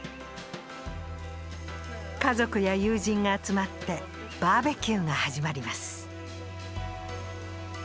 家族や友人が集まってバーベキューが始まります